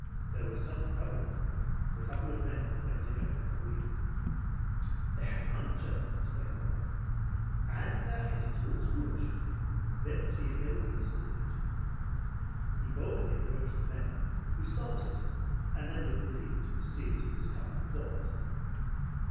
There was some trouble on, for a couple of men were bending over a wheel. "They have had a puncture," exclaimed Warren, "and they are headed toward Lodz. Let's see if they will give us a lift." He boldly approached the men, who started, then looked relieved to see that it was a couple of boys.